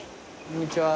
こんにちは。